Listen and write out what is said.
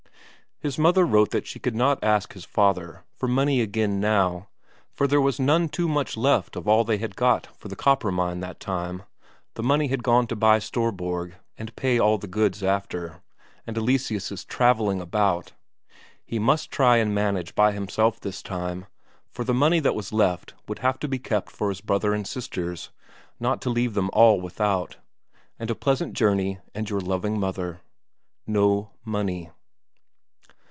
His mother wrote that she could not ask his father for more money again now, for there was none too much left of all they had got for the copper mine that time; the money had gone to buy Storborg, and pay for all the goods after, and Eleseus' travelling about. He must try and manage by himself this time, for the money that was left would have to be kept for his brother and sisters, not to leave them all without. And a pleasant journey and your loving mother. No money.